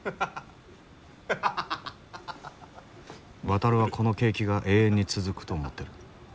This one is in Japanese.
ワタルはこの景気が永遠に続くと思ってる。